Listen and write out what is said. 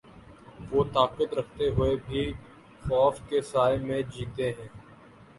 وہ طاقت رکھتے ہوئے بھی خوف کے سائے میں جیتے ہیں۔